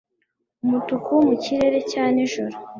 Umutuku mu kirere cya nijoro